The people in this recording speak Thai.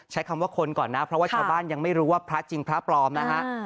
ใช้คำว่าคนก่อนนะเพราะว่าชาวบ้านยังไม่รู้ว่าพระจริงพระปลอมนะฮะ